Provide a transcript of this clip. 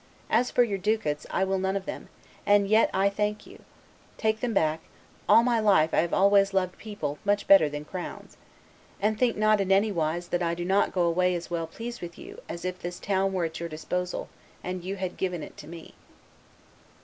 As for your ducats, I will none of them; and yet I thank you; take them back; all my life I have always loved people much better than crowns. And think not in any wise that I do not go away as well pleased with you as if this town were at your disposal, and you had given it to me.